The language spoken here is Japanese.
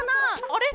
あれ？